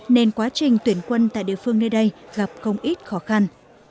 nên quá trình tuyển quân tại địa phương nơi đây gặp không ít khó khăn